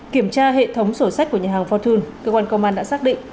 kiểm tra hệ thống sổ sách của nhà hàng fortune cơ quan công an đã xác định